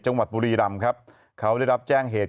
บุรีรำครับเขาได้รับแจ้งเหตุ